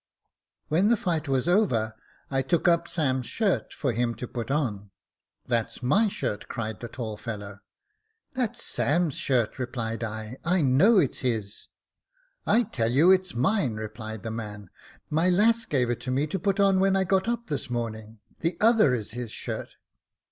When the fight was over, I took up Sam's shirt for him to put on. * That's my shirt,' cried the tall fellow. "* That's Sam's shirt,' replied I ;' I know it's his.' "* I tell you it's mine,' replied the man ;* my lass gave it to me to put on when I got up this morning. The other is his shirt.'